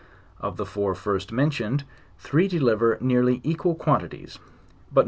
Of the four first mentioned, three deliver nearly equal quantities, but No.